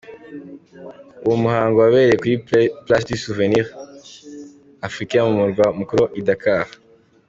Uwo muhango wabereye kuri ’Place du Souvenir Africain’ mu murwa mukuru i Dakar.